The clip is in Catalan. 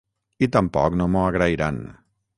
I tampoc no m'ho agrairan.